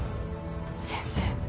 先生。